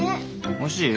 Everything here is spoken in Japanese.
おいしい？